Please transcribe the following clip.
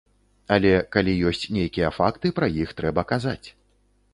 Але калі ёсць нейкія факты, пра іх трэба казаць.